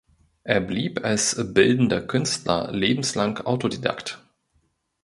Er blieb als bildender Künstler lebenslang Autodidakt.